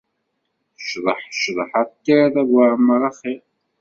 Cḍeḥ, cḍeḥ a ṭṭir d abuɛemmar axir.